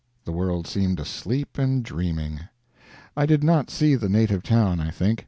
The world seemed asleep and dreaming. I did not see the native town, I think.